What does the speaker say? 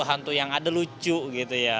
hantu yang ada lucu gitu ya